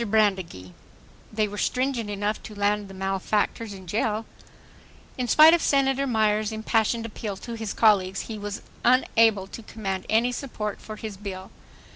BRANDEGEE : They were stringent enough to land the malefactors in jail .... In spite of Senator Myers' impassioned appeal to his colleagues, be was unable to command any support for his bill.